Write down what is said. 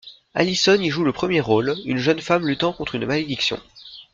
Alison y joue le premier rôle, une jeune femme luttant contre une malédiction.